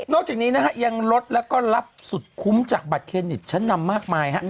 จากนี้นะฮะยังลดแล้วก็รับสุดคุ้มจากบัตรเครดิตชั้นนำมากมาย